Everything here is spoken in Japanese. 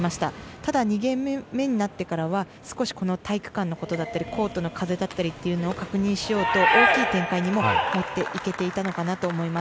多田、２ゲーム目になってからは少し体育館のことだったりコートの風だったりを確認しようと大きい展開にもなっていけていたのかなと思います。